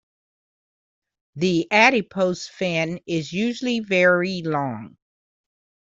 The adipose fin is usually very long.